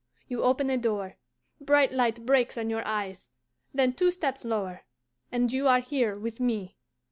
You open a door, bright light breaks on your eyes, then two steps lower, and you are here with me.